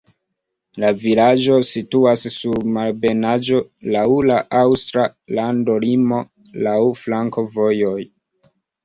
La vilaĝo situas sur malebenaĵo, laŭ la aŭstra landolimo, laŭ flankovojoj.